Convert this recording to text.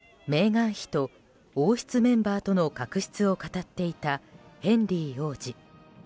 回顧録「スペア」発売前に妻メーガン妃と王室メンバーとの確執を語っていたヘンリー王子。